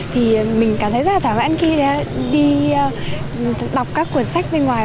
thì mình cảm thấy rất là thảm vãn khi đi đọc các cuốn sách bên ngoài